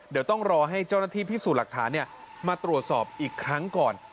เดี๋ยวต้องรอให้เจ้าหน้าที่พิสูจน์หลักฐานมาตรวจสอบอีกครั้งก่อน